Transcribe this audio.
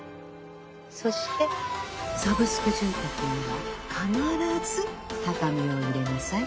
そしてサブスク住宅には必ず畳を入れなさい。